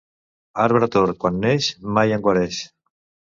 Arbre tort quan neix mai en guareix.